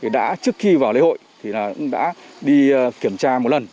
đã trước khi vào lễ hội thì đã đi kiểm tra một lần